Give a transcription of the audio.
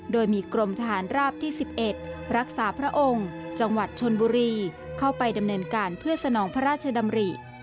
โดยมีกรมทหารราบที่๑๑รักษาพระองค์จังหวัดชนบุรีเข้าไปดำเนินการเพื่อสนองพระราชดำริ